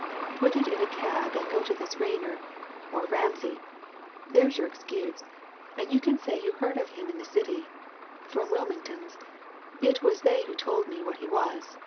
Put it in a cab and go to this Rayner, or Ramsay there's your excuse, and you can say you heard of him in the City, from Wilmingtons it was they who told me what he was.